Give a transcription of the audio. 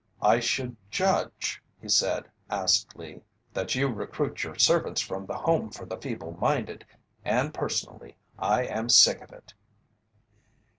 I should judge," he said, acidly, "that you recruit your servants from the Home for the Feeble minded, and, personally, I am sick of it!"